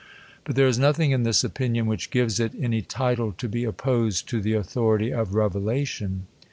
But there is nothing in this opinion which gives it any title to be opposed to the authority of revelation.